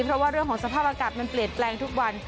เพราะว่าเรื่องของสภาพอากาศมันเปลี่ยนแปลงทุกวัน